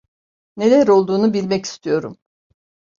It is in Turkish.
Neler olduğunu bilmek istiyorum.